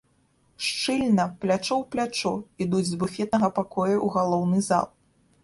Шчыльна, плячо ў плячо, ідуць з буфетнага пакоя ў галоўны зал.